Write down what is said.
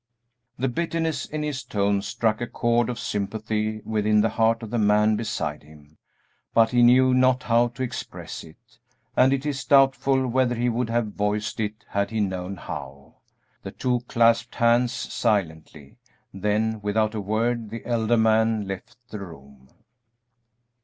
The bitterness in his tones struck a chord of sympathy within the heart of the man beside him, but he knew not how to express it, and it is doubtful whether he would have voiced it had he known how. The two clasped hands silently; then, without a word, the elder man left the room.